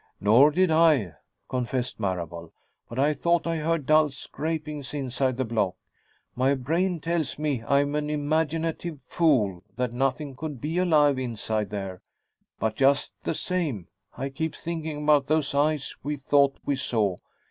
"Nor did I," confessed Marable. "But I thought I heard dull scrapings inside the block. My brain tells me I'm an imaginative fool, that nothing could be alive inside there, but just the same, I keep thinking about those eyes we thought we saw.